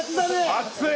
熱い！